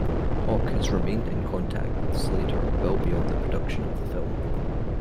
Hawk has remained in contact with Slater well beyond the production of the film.